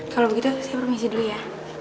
kalau begitu saya permisi dulu ya